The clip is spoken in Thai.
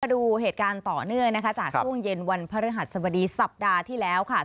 มาดูเหตุการณ์ต่อเนื่องจากช่วงเย็นวันพระฤหัสสัปดาห์ที่แล้ว